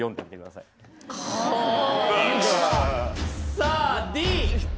・さあＤ！